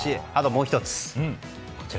もう１つ。